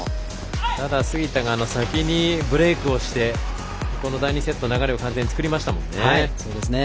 ただ杉田が先にブレークをしてこの第２セット流れを完全に作りましたね。